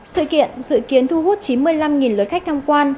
sự kiện dự kiến thu hút chín mươi năm lượt khách tham quan